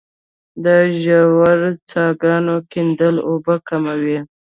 د ژورو څاګانو کیندل اوبه کموي